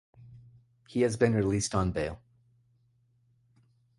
He has been released on bail.